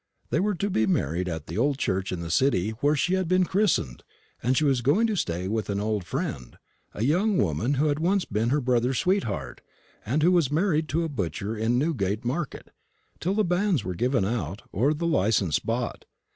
They were to be married at the old church in the city where she had been christened, and she was going to stay with an old friend a young woman who had once been her brother's sweetheart, and who was married to a butcher in Newgate market till the bans were given out, or the license bought.